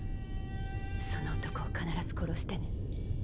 その男を必ず殺してね。